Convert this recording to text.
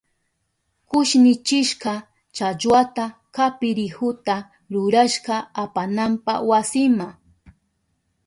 Kushnichishka challwata kapirihuta rurashka apananpa wasinma.